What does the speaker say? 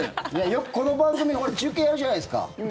よくこの番組中継やるじゃないですか。